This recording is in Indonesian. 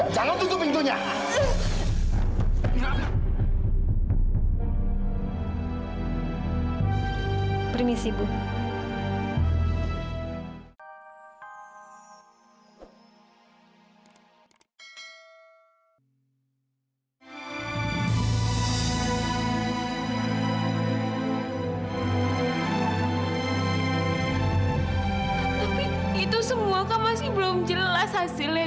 jangan tutup pintunya